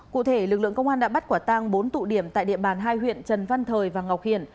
cụ thể lực lượng công an đã bắt quả tang bốn tụ điểm tại địa bàn hai huyện trần văn thời và ngọc hiển